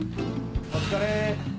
お疲れ。